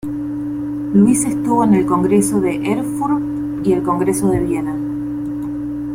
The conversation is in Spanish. Luis estuvo en el Congreso de Erfurt y en el Congreso de Viena.